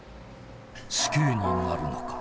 「死刑になるのか？」